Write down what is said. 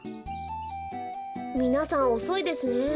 みなさんおそいですね。